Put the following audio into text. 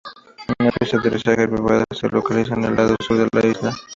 Una pista de aterrizaje privada se localiza en el lado sur de la isla.